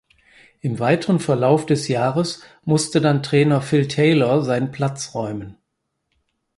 Im weiteren Verlauf des Jahres musste dann Trainer Phil Taylor seinen Platz räumen.